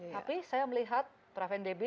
tapi saya melihat praven deby